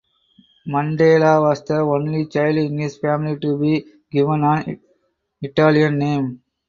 Mundella was the only child in his family to be given an Italian name.